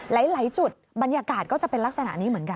หลายจุดบรรยากาศก็จะเป็นลักษณะนี้เหมือนกัน